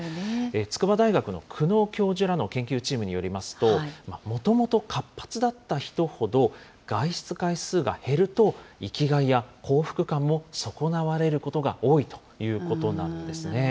筑波大学の久野教授らの研究チームによりますと、もともと活発だった人ほど外出回数が減ると、生きがいや幸福感も損なわれることが多いということなんですね。